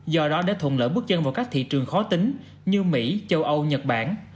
do đó đã thụn lỡ bước chân vào các thị trường khó tính như mỹ châu âu nhật bản